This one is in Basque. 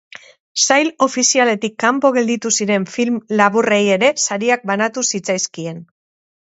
Sail ofizialetik kanpo gelditu ziren film laburrei ere sariak banatu zitzaizkien.